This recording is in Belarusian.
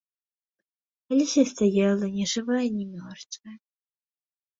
Алеся стаяла ні жывая ні мёртвая.